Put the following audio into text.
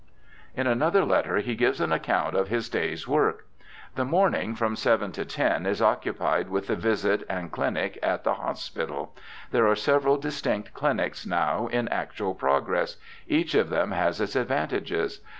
LOUIS 205 In another letter he gives an account of his day's work :* The morning from seven to ten is occupied with the visit and chnic at the hospital ; there are several distinct clinics now in actual progress ; each of them has its advantages.